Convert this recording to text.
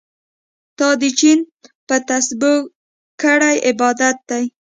تا د چين په تسبو کړی عبادت دی